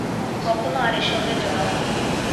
কখনো আর এসবে জড়াবো না!